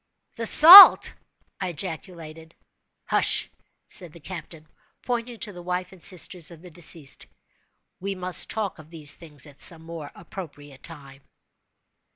"The salt!" I ejaculated. "Hush!" said the captain, pointing to the wife and sisters of the deceased. "We must talk of these things at some more appropriate time."